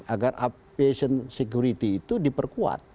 agar appation security itu diperkuat